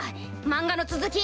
漫画の続き！